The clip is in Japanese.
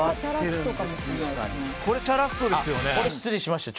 「これチャラッソですよね？」